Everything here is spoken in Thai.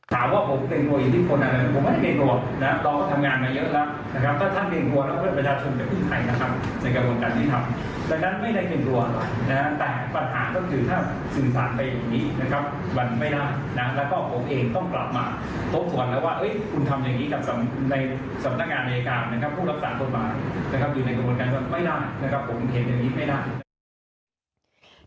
อยู่ในกระพดการณ์ค่ะว่าไม่ได้นะครับผมเขตแบบนี้ไม่ได้